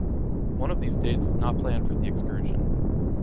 One of these days is not planned for the excursion.